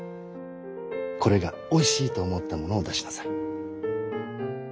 これがおいしいと思ったものを出しなさい。